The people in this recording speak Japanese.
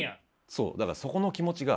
そうだからそこの気持ちが。